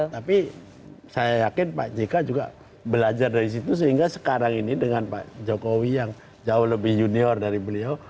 tapi saya yakin pak jk juga belajar dari situ sehingga sekarang ini dengan pak jokowi yang jauh lebih junior dari beliau